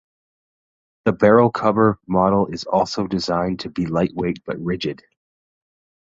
The barrel cover model is also designed to be lightweight but rigid.